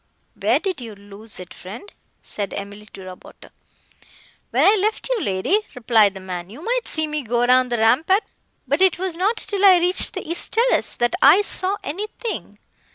"Where did you lose it, friend?" said Emily to Roberto. "When I left you, lady," replied the man, "you might see me go down the rampart, but it was not till I reached the east terrace, that I saw anything.